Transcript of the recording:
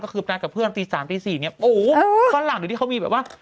ก็คือพนักกับเพื่อนตี๓๔เนี่ยโอ้โฮข้างหลังดูที่เขามีแบบว่า